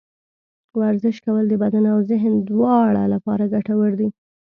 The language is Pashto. ورزش کول د بدن او ذهن دواړه لپاره ګټور دي.